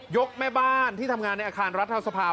กแม่บ้านที่ทำงานในอาคารรัฐสภา